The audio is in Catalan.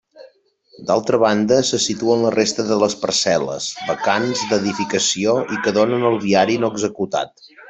D'altra banda, se situen la resta de les parcel·les, vacants d'edificació i que donen al viari no executat.